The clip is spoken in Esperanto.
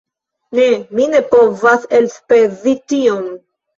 Ne, mi ne povas elspezi tiom.